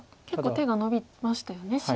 結構手がのびましたよね